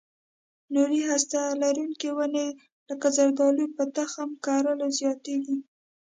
نورې هسته لرونکې ونې لکه زردالو په تخم کرلو زیاتېږي.